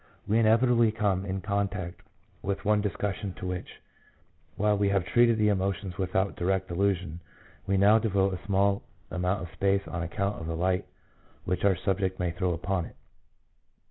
We inevitably come in contact with one discussion, to which, while we have treated the emotions without direct allusion, we now devote a small amount of space on account of the light which our subject may throw upon it.